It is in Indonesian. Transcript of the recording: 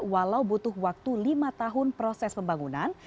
walau butuh waktu lima tahun proses pembangunan